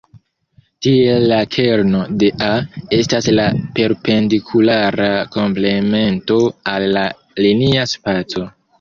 Tiel la kerno de "A" estas la perpendikulara komplemento al la linia spaco.